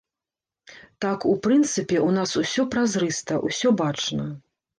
Так, у прынцыпе, у нас усё празрыста, усё бачна.